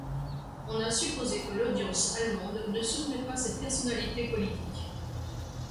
On a supposé que l'audience allemande ne soutenait pas cette personnalité politique.